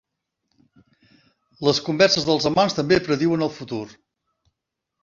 Les converses dels amants també prediuen el futur.